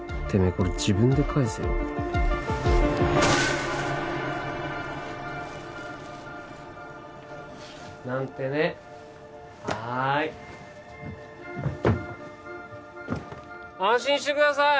これ自分で返せよなんてねはい安心してください